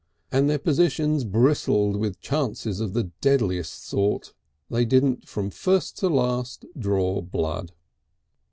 (And their positions bristled with chances of the deadliest sort!) They didn't from first to last draw blood.